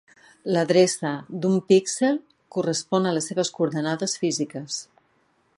L'adreça d'un píxel correspon a les seves coordenades físiques.